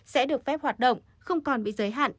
sẽ được phép hoạt động không còn bị giới hạn